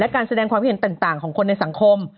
การแสดงความคิดเห็นต่างของคนในสังคม